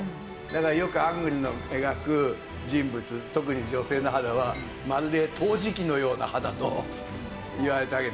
だからよくアングルの描く人物特に女性の肌はまるで陶磁器のような肌といわれるだけ滑らかに。